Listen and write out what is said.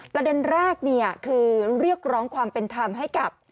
ประเด็นแรกคือเรียกร้องความเป็นธรรมให้กับ